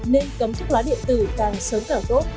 nên cấm thuốc lá điện tử càng sớm càng tốt